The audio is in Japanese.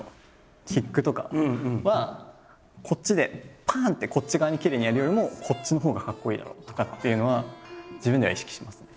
キックとかはこっちでパン！ってこっち側にきれいにやるよりもこっちのほうがかっこいいだろうとかっていうのは自分では意識してますね。